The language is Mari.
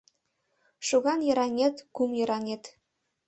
Шоган йыраҥет — кум йыранет